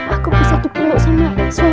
aku bisa dipeluk sama suamiku